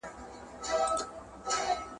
نه له ویري سوای له غاره راوتلای `